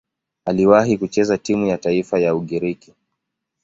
Aliwahi kucheza timu ya taifa ya Ugiriki.